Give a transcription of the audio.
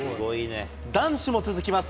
男子も続きます。